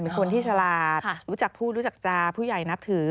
เป็นคนที่ฉลาดรู้จักผู้รู้จักจาผู้ใหญ่นับถือ